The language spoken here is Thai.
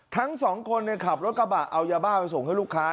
ทั้งสองคนขับรถกระบะเอายาบ้าไปส่งให้ลูกค้า